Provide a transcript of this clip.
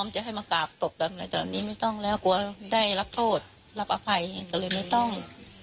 แต่วันนี้ไม่ต้องแล้วกลัวได้รับโทษรับอภัยก็เลยไม่ต้อง